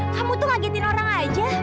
kamu tuh ngagetin orang aja